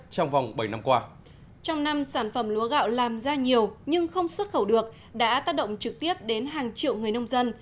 các sản phẩm lúa gạo làm ra nhiều nhưng không xuất khẩu được đã tác động trực tiếp đến hàng triệu người nông dân